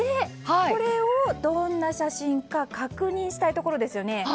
これをどんな写真か確認したいですよね？